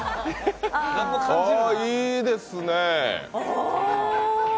あ、いいですね。